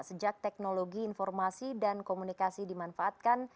sejak teknologi informasi dan komunikasi dimanfaatkan